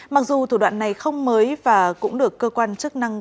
mặc dù thủ đoạn này không mới và cũng được cơ quan chức năng